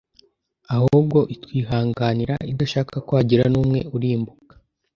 Ahubwo itwihanganira idashaka ko hagira n’umwe urimbuka,